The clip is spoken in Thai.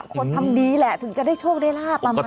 คนทำดีแหละถึงจะได้โชคได้ลาบประมาณ